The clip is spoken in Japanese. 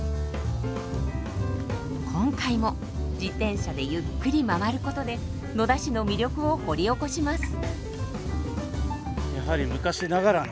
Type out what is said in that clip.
今回も自転車でゆっくり回ることで野田市の魅力を掘り起こします。